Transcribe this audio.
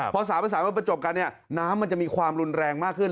พอสามประสานมาประจวบกันน้ำมันจะมีความรุนแรงมากขึ้น